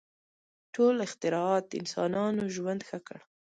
• ټول اختراعات د انسانانو ژوند ښه کړ.